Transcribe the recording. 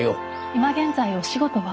今現在お仕事は？